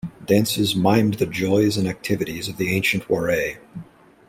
Dances mimed the joys and activities of the ancient Waray.